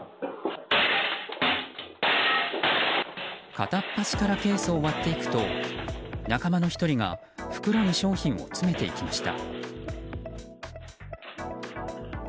片っ端からケースを割っていくと仲間の１人が袋に商品を詰めていきました。